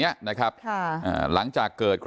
อย่างเช่น